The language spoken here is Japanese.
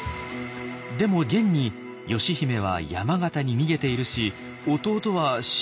でも現に義姫は山形に逃げているし弟は死んでいるんでしょう？